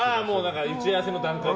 打ち合わせの段階で。